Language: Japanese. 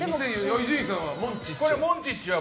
伊集院さんはモンチッチは？